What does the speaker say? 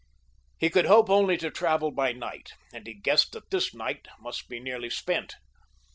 He could hope only to travel by night, and he guessed that this night must be nearly spent.